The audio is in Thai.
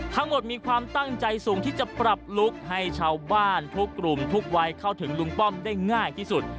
มีความตั้งใจสูงที่จะปรับลุคให้ชาวบ้านทุกกลุ่มทุกวัยเข้าถึงลุงป้อมได้ง่ายที่สุด